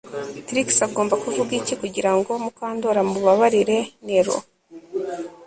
Trix agomba kuvuga iki kugirango Mukandoli amubabarire Nero